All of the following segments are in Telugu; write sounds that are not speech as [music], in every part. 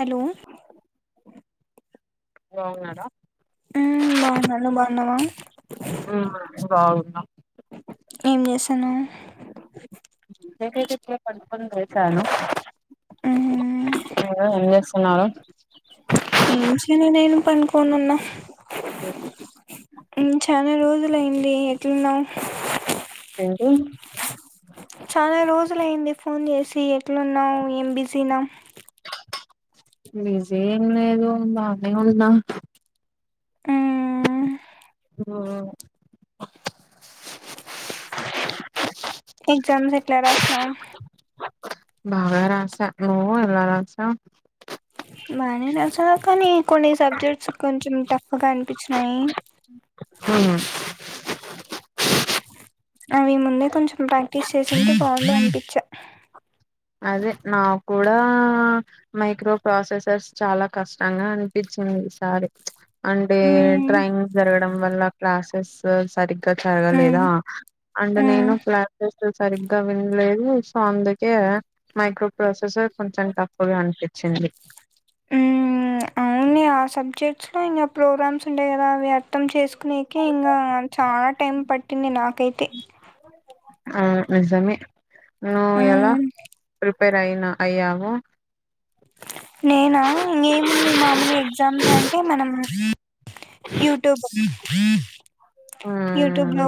హలో బాగున్నారా? మ్మ్ బాగున్నా నువ్వు బాగున్నావా ఏం చేస్తన్నవ్ [inaudible] పండుకొని లేచాను మ్మ్ ఏం చేస్తున్నారు పండ్కోన్ ఉన్నా ఇంచా కొన్ని రోజులయింది. ఎట్లున్నవ్ ఏంటీ చాలా రోజులయింది ఫోన్ చేసి ఎట్లున్నావు ఏం బిజీనా బిజీ ఏం లేదు. బాగానే ఉన్న మ్.. ఓ ఎజామ్స్ ఎట్ల రాస్నవ్ బాగా రాస నువ్వు ఎలా రాసావ్ బానే రాసా కానీ కొన్ని సబ్జెక్ట్స్ కొంచం టఫ్గా అనిపించినయి. మ్ అవి ముందే కొంచం ప్రాక్టీస్ చేసుంటే బాగుండే అనిపించే అదే నాక్ కూడా మైక్రో ప్రాసెసర్స్ చాలా కష్టంగా అనిపించింది ఈసారి అంటే మ్మ్ డ్రాయింగ్ జరగడం వల్ల క్లాసెస్ సరిగ్ గా మ్మ్ జరగలేదా అండ్ మ్మ్ నేను ఫ్లాన్ లు సరిగ్గా విన్లేదు సో అందుకే గదా మైక్రో ప్రాసెసర్ కొంచం టఫ్గా అనిపిం చింది మ్ అవును సబ్జెక్ట్స్లో ఇంకా ప్రోగ్రామ్స్ ఉంటాయి కదా అవి అర్థం చేసుకునేకి ఇంగా ఆ చాలా టైం పట్టింది నాకైతే ఆ నిజమే ను ఎలా హ్మ్. ప్రిపేర్ అయినా అయ్యావు. నేనా ఏముంది మామూలె ఎగ్జామ్స్ అంటే మనం యూట్యూబ్ [inaudible] మ్మ్ యూట్యూబ్లో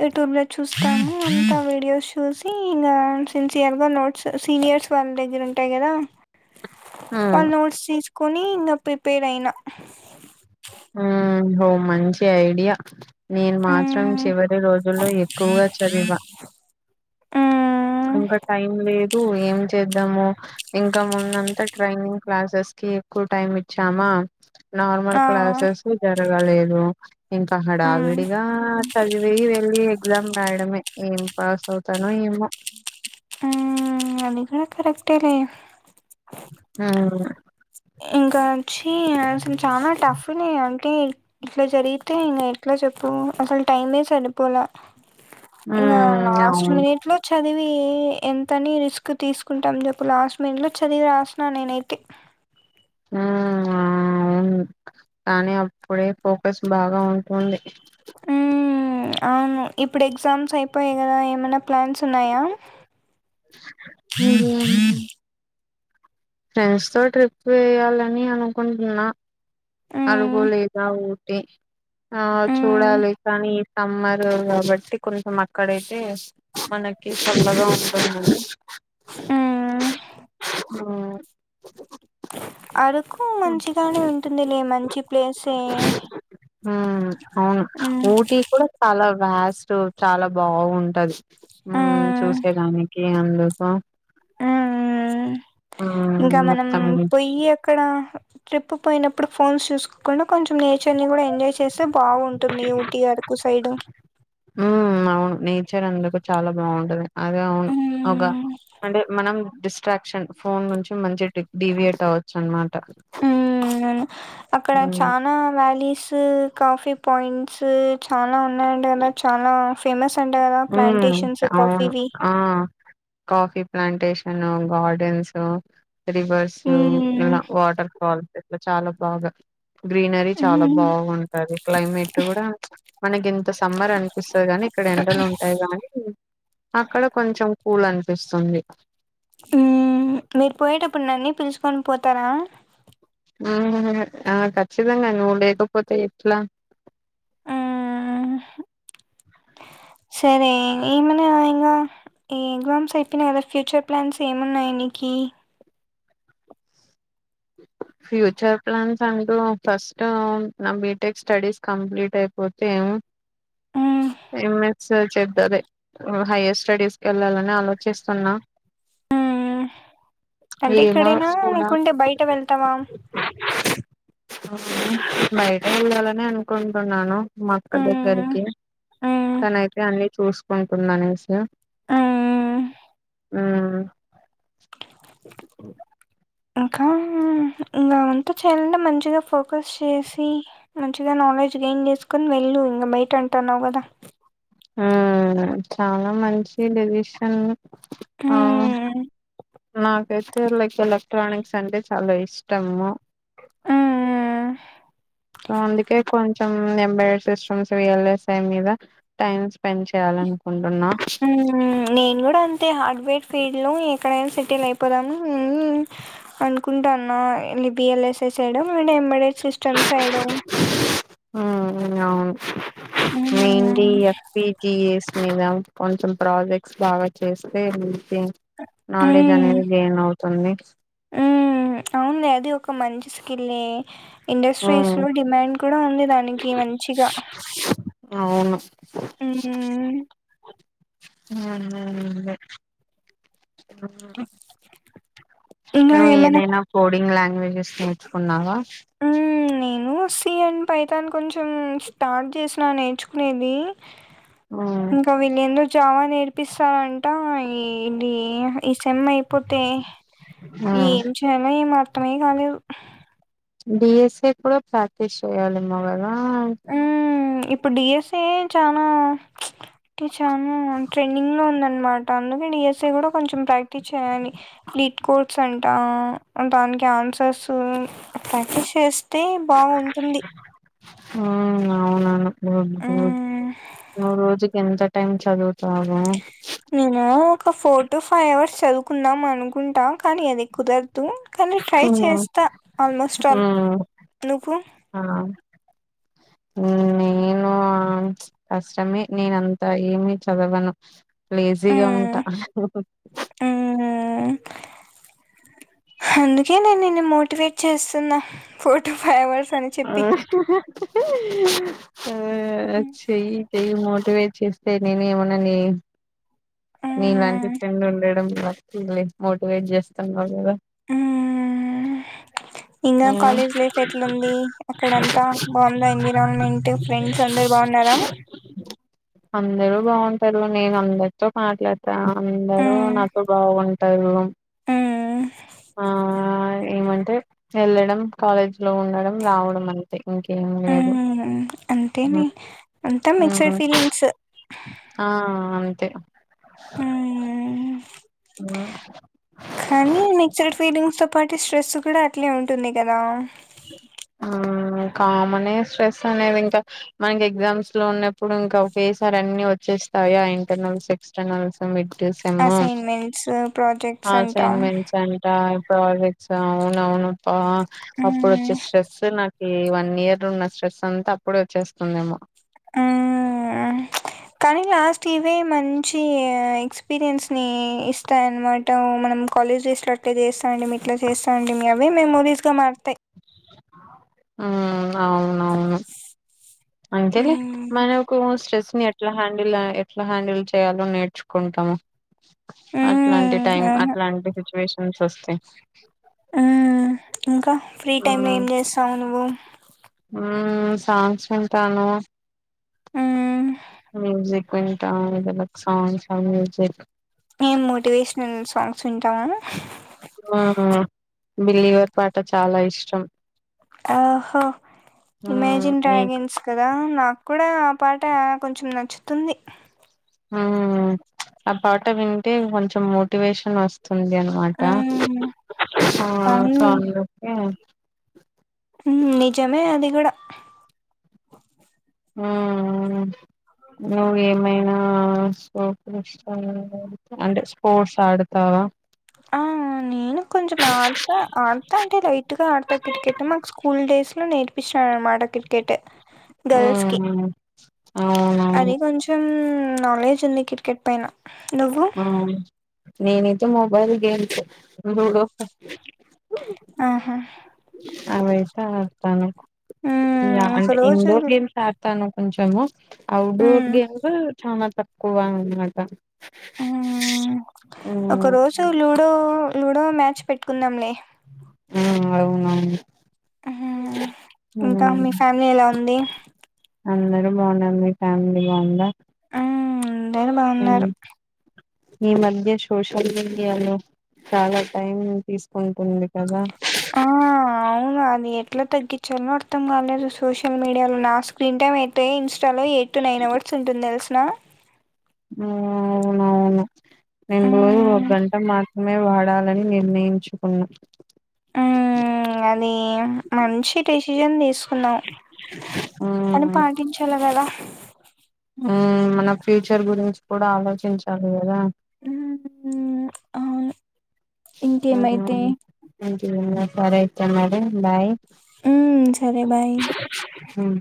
యూట్యూబ్లో చూస్తాను అంతా వీడియోస్ చూసి ఇంకా సిన్సియర్గా నోట్స్ సీనియర్స్ వాళ్ళ దగ్గర ఉంటాయి గదా మ్మ్ వల్ల నోట్స్ తీస్ కొనీ ఇంగ ప్రిపేర్ అయిన మ్మ్ ఓ మంచి ఐడియా నేను మాత్రం హ్మ్. చివరి రోజుల్లో ఎక్కువగా చదివా హ్మ్. ఇంకా టైం లేదు ఏం చేద్దాము ఇంకా ముందంతా ట్రైనింగ్ క్లాసెస్ కి ఎక్కువ టైం ఇచ్చామా నార్మల్ ఆ! క్లాసెస్ జరగలేదు అ ఇంకా హ్మ్. హడావిడిగా చదివి వెళ్ళి పలం రాయడమే ఏం పాస్ అవుతానో ఏమో ఉ అది కూడా కరెక్టే లె ఆ నేను కూడా ఇంకా చి అసలు చానా టఫ్ ఉన్నాయి టె ఇట్లా జరిగితే ఇంగ ఎట్లా చెప్పు అసలు టైమే సరిపోల ఇంగ ఉమ్ లాస్ట్ అవును మీనట్ లో చ చదివి ఎంతని రిస్క్ తీసుకుంటాం చెప్పు లాస్ట్ మీనట్ లో చదివి రాసిన నేనైతే ఉ అవును కానీ అప్పుడే ఫోకస్ బాగా ఉంటుంది ఉ అవును ఇప్పుడు ఎగ్జామ్స్ అయిపోయాయి కదా ఏమైనా ప్లాన్స్ ఉన్నాయా ఇంకేంలేవ్ ఫ్రెండ్స్ తో ట్రిప్ వేయాలని అనుకుంటున్నా అరుకు మ్మ్ లేదా ఊటీ ఆ మ్మ్ చూడాలి కానీ సమ్మరు కాబట్టి కొంచెం అక్కడై తే మనకి సల్లగా అవుహ ఆ ఆ కు మంచిగానే ఉంటుంది లే మంచి ప్లేసే ఉమ్ ఉమ్ లాస్ట్ చాలా బాగుంటది ఉ మ్మ్ చూసేదానికి ఎందుకు ఆ ఉమ్ ఇంకా మనం మొత్తం పొయ్యి అక్కడ ట్రిప్ పోయినప్పుడు ఫోన్ చూడకూడా కొంచెం నేచర్ ని కూడా ఎంజాయ్ చేస్తే బాగుంటుంది ఊటీ అరకు పైడ మ్మ్ అవును నేచర్ అందుకు చాలా బాగుంటది అదే అవును ఒగ అంటే మనం డిస్ట్రాక్షన్ ఫోన్ నుంచి మంచి డి డివియేట్ అవ్వచ్చు అనమాట మ్మ్ అక్కడ ఉమ్ చానా వ్యాలీస్ తు కాఫీ పాయింట్స్ చాలా ఉన్నాయంట గద చాలా ఫేమస్ అంట కదా హ్మ్ ప్లాంటేషన్స్ అవును కాఫీవి ఆ కాఫీ ప్లాంటేషన్ గార్డెన్సు రివర్సు మ్మ్ ఇలా వాటర్ ఫాల్స్ చాలా బాగా గ్రీనరీ చాలా మ్మ్ బాగుంటది క్లైమేట్ కూడా మనగింతస్ సమ్మర్ అనిపిస్తది గని ఇక్కడ ఎండలు ఉన్ అయ గంటిటి అక్కడ కొంచెం కూల్ అనిపిస్తుంది మ్మ్ మీరు పోయేటప్పుడు నన్నీ పిలుచుకొని పోతారా ఆ ఆ ఖచ్చితంగా నువ్వు లేకపోతే ఎట్లా మ్మ్ సరే ఏమునా ఇంగా ఈ ఎగ్జామ్స్ అయిపోయినాయి ఎవ్వరి ఫ్యూచర్ ప్లాన్స్ ఏమున్నాయి నీకి ఫ్యూచర్ ప్లాన్స్ అంటూ ఫస్ట్ నా బీటెక్ స్టడీస్ కంప్లీట్ అయిపోతే హ్మ్ ఎం ఎస్ చెప్పు అదే మ్మ్ హైయర్ స్టడీస్ వెళ్ళాలని ఆలోచిస్తున్నా హ్మ్ ఏమో సూడ నువ్ వెళతవా మ్మ్ బయట వెళ్ళాలనే అనుకుంటున్నాను మా అక్క హ్మ్. దగ్గరికి హ్మ్. తనైతే అన్ని చూసుకుంటుంది అనేసి హ్మ్. ఉమ్ ఇంకా ఇంకా అంతా చేయాలంటే మంచిగా ఫోకస్ చేసి మంచిగా నాలెడ్జ్ గెయిన్ చేసుకొని వెళ్ళు ఇంగ బయట అంటన్నావు కదా మ్మ్ చాలా మంచి డెసిషన్ ఆ హ్మ్. నాక్ ఏస్టర్ లైఫ్ ఎలక్ట్రానిక్స్ అంటే చాలా ఇష్టము ఆ సో అందుకే కొంచెం ఎబ సిస్టమ్స్ విల్ఎస్ఐ మీద టైమ్ స్పెండ్ చేయాలినుకుంటు హ నేన్ కూడా అన్ అయితే హార్డ్వేర్ ఫీల్డ్లో ఎక్కడైనా సెటిల్ అయిపోదాము అనుకుంటున్న లిబిఎల్ఎస్ఏ సైడం విన్ ఎమ్మడె సిస్టమ్ సైడ్ వినవును మెయిన్లీ ఎఫ్పిజిఎస్ మీద కొంచెం ప్రాజెక్ట్స్ బాగా చేస్తే నాలెజ్ అనేది గేన్ అవుతు తోన్నీ ఉ అవునులే అది ఒక మంచి స్కిల్లే ఇండస్ట్రీస్ ఉమ్ లో డిమాండ్ కూడా ఉంది దానికి మంచిగా అవును ఆ ఆ ఇంకా ను ఏమైనా ఏదనా కోడింగ్ స్ మర్చ్చుకున్నావా హ్మ్. నేను సిఎన్డ్ పైతాన్ కొంచెం స్టార్ట్ చేసినా నేర్చుకునేది ఇంకా వీళ్ళందుో జావా నేర్పిస్తారంట ఇది ఈసమ్ అయిపోతే ఏం చేయాలో ఏమ మ కానీ బిఎస్ఏ కూడా ప్రాక్టీస్ చేయాలిమ్మ వాారు ఆ హ్మ్. ఇప్పుడు డిఎస్ఏ చాలా చాలా ట్రెండింగ్లో ఉందన్నమాట అందుకే డిఎస్ఏ కూడా కొంచెం ప్రాక్టీస్ చేయాలి బిట్ కోర్స్ అంట దానికి ఆన్సర్స్ ప్రాక్టీస్ చేస్తే బాగుంటుంది ఉ అవునను మ్మ్ రోజు కంంత టైమ్ చదువుత అ నేను ఒక ఫోర్ టు ఫైవ్ అవర్స్ చదువుకుందాం అనుకుంటాం కానీ అది కుదర తూ కానీ ట్రై హ్మ్. చేస్తా ఆల్మోస్ట్ ఆల్ హ్మ్. నువ్వు ఆ నేను కష్టమే నేన అంతా ఏమి చదవాను లేజీగా ఉంటా మ్మ్ మ్మ్ అందుకే నేను ని మోటివేట్ చేస్తున్నా ఫోర్ ఫైవ్ అవర్స్ అని అ చెప్పి [unintelligible] అ మ్మ్ చెయి చెయి మోటివే చేస్తే నేనేమన్నానే మీ ఇలాంటి మ్మ్ ఫ్రెండ్ ఉండడం నచ్చిందిలే మోటివేట్ జేస్తున్నారు గదా ఊ ఇంగా కాలేజ్ లైఫ్ ఎట్లుంది అక్కడ అంతా బావుందా ఎన్విరాన్మెంటు ఫ్రెండ్స్ అందరు బావున్నారా అందరూ బావుంటారు నేను అందరితో ఆట్లాడ్ ఆ అందరూ ఉమ్ నాకు బాగుం టర్వం ఉమ్ ఆ ఏమన్ ఎ యెళ్లడం కాలేజ్లో ఉండడం రావడం అంతే ఇంకేం లేదు ఊం అంతేనే మ్మ్ అంతా మిక్సెడ్ ఫీలింగ్స్ తే మ్మ్ ఖానీ మిక్సడ్ ఫీడింగ్స్ తొ పాటిస్ ప్ర్రెస్సు కూడా అట్లే ఉంటుంది కదా ఆ కామనే స్ట్రెస్ అనేది ఇంకా మనకి ఎగ్జామ్స్ లో ఉన్నప్పుడు ఇంక ఒకేసారి అన్ని వచ్చేస్తాయా ఇంటర్నల్స్ ఎక్స్టర్నల్స్ మిడ్స కెసెమ్మోమ్ అసైన్మెంట్స్ ప్రాజెక్ట్స్ అంటా అసైన్మెంట్స్ అంట ప్రజెక్స్ అవునవునుపా అప్పుడు ఉమ్ వచ్చి స్ట్రెస్స నా ఈ వన్నియర్ ఉన్న స్ట్రెస్సంతా అప్పుడే వచ్చేస్తుందేమో అ కానీ లాస్ట్ ఇవే మంచి ఎక్స్పీరియన్స్ని ఇస్తాయన్నమాట మనం కాలేజ్ డేస్లో అట్లే చేస్తా అండి మీ ఇట్లా చేస్తామండి మీ అవే మెమోరీస్గా మారుతాయి ఊ అవునవును అంకెలె మ్మ్ మనకు స్ట్రెస్ ని ఎట్లా హ్యాండిల్ ఆ ఎట్లా హ్యాండిల్ చేయాలో నేర్చుకుంటాము అట్లాంటి మ్మ్ టైం అట్లాంటి సిచ్యువేషన్స్ సస్తే ఊ ఇంకా ఫ్రీ టైమ్ లో ఏం జేస్తావు నువ్వు ఊం సాంగ్స్ వింటాను మ్మ్ మ్యూసిక్ వింటా వు సాంగ్స్ మ్యూజిక్ ఏం మోటివేషనల్ సాంగ్స్ వింటావా బిల్లీగార్ పాట చాలా ఇష్టం ఆహో ఉమ్ ఇమేజిన్ నీకు డ్రాగన్స్ కదా నాకు కూడా ఆ పాట కొంచెం నచ్చుతుంది హ్మ్మ ఆ పాట వింటే కొంచెం మోటివేషన్ వస్త తుంది అనమాట మ్మ్ సో అందుకే ఉ నిజమే అది కూడా హ్మ్ నువ్వు ఏమైనా ఆ సో అంటే స్పోర్ట్స్ ఆడతావా ఆ నేను కొంచెం ఆడతా ఆడతా అంటే లైట్ గా ఆడతా మటట్ క్రికెట్ గర్ల్స్కీ ఉమ్ అవునవును అదే కొంచం నాలెడ్జ్ ఉంది క్రికెట్ పైన నువ్వు నేనుతే మొబైల్ గేమ్స్ లూడో ఆహా అవైతే ఆడతాను ఉమ్ ఇలా ఒక అంటే రోజు ఇండోర్ గేమ్స్ ఆడతాను కొంచము ఔట్డోర్ ఉమ్ గేమ్స్ చానా తక్ క్కువ అన మాట హ్మ్ ఒక రోజు లూడో లూడో మ్యా చ్ పెట్టుకుందాంలే ఆ అవునవును మ్మ్ ఇంకా ఉమ్ మీ ఫ్యామిలీ ఎలా ఉంది అందరూ బాగున్నారు మీ ఫ్యామిలీ బాగుందా ఆ అం దరూ బాగున్నారు ఈ మధ్య సోషల్ మీడియాలో చాలా టైం తీసుకుంటుంది కదా ఆ అవును అది ఎట్లా తగ్గించాల్నో అర్థం కాలేదు సోషల్ మీడియా లో నా స్క్రీన్ టైమ్ అయితే ఇన్స్ స్టా లో ఎయిట్ టు నైన్ అవర్స్ ఉంటుంది తెలుసునా అవునవుఅవును నేను రోజు ఒక ఉమ్ గంట మాత్రమే వాడాలి అని నిర్ణయించుకున్నా ఉ మ్ అది మంచి డే ఇయన్ తీస్ కున్నావ్ కానీ మ్మ్ పాటిచ్చాలా గదా ఆ మన ఫ్యూచర్ గురించి కూడా ఆలోచించాలి కదా ఉమ్ అవును ఇంకేమైతే ఉమ్ మంచిగున్నాయి సరే అయితే మరి బాయ్ ఉ సరే బాయ్ ఉమ్